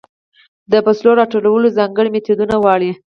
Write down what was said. د فصلو راټولول ځانګړې میتودونه غواړي.